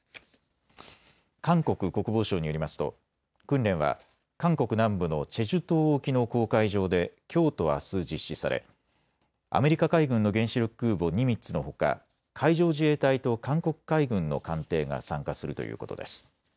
韓国国防省によりますと訓練は韓国南部のチェジュ島沖の公海上できょうとあす実施されアメリカ海軍の原子力空母ニミッツのほか海上自衛隊と韓国海軍の艦艇が参加するということです。